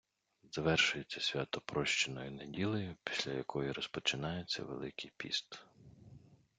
Завершується свято Прощеною неділею, після якої розпочинається Великий піст.